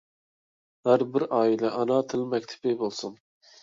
ھەر بىر ئائىلە ئانا تىل مەكتىپى بولسۇن!